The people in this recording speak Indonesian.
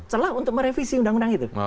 celah untuk merevisi undang undang itu